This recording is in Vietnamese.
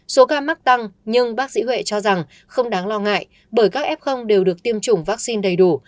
số ca mắc tăng nhưng bác sĩ huệ cho rằng không đáng lo ngại bởi các f đều được tiêm chủng vaccine đầy đủ